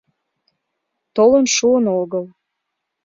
Толын шуын огыл.